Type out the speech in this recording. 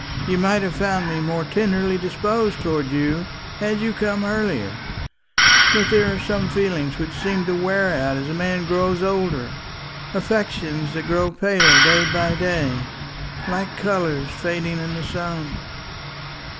You might have found me more tenderly disposed towards you, had you come earlier; but there are some feelings which seem to wear out as a man grows older, affections that grow paler day by day, like colours fading in the sun.